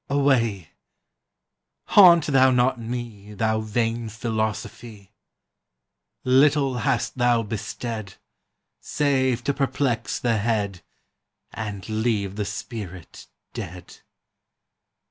Away, haunt thou not me, Thou vain Philosophy! Little hast thou bestead, Save to perplex the head, And leave the spirit dead.